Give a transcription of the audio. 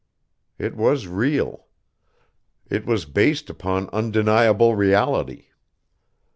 It was real. It was based upon undeniable reality.